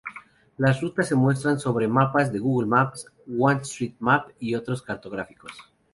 Las rutas se muestran sobre mapas de Google Maps, OpenStreetMap y otros cartográficos.